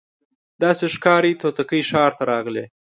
داسي ښکاري توتکۍ ښار ته راغلې